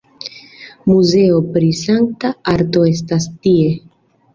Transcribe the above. Muzeo pri sankta arto estas tie.